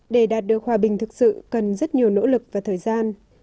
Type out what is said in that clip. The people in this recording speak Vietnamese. để đạt được hòa bình thực sự cần rất nhiều nỗ lực và thời gian